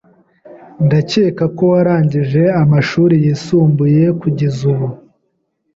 Ndakeka ko warangije amashuri yisumbuye kugeza ubu.